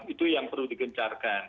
itu yang perlu digencarkan